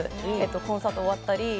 コンサート終わったり。